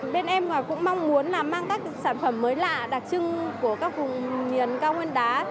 bên em cũng mong muốn mang các sản phẩm mới lạ đặc trưng của các hùng miền cao nguyên đá